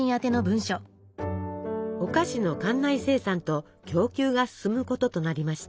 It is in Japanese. お菓子の艦内生産と供給が進むこととなりました。